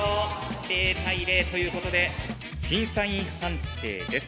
０対０ということで審査員判定です。